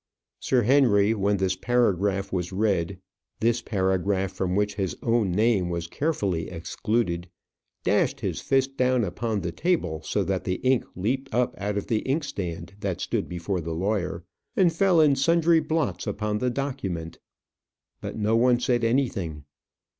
Sir Henry, when this paragraph was read this paragraph from which his own name was carefully excluded dashed his fist down upon the table, so that the ink leaped up out of the inkstand that stood before the lawyer, and fell in sundry blots upon the document. But no one said anything.